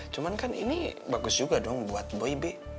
cuman kan ini bagus juga dong buat boy bi